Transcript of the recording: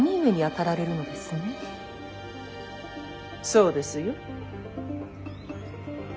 そうですよ。